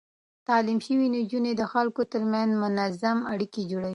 تعليم شوې نجونې د خلکو ترمنځ منظم اړيکې جوړوي.